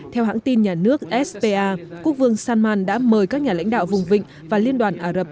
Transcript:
theo hãng tin nhà nước spa quốc vương salman đã mời các nhà lãnh đạo vùng vịnh và liên đoàn ả rập